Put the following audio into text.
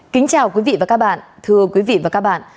kính chào quý vị và các bạn thưa quý vị và các bạn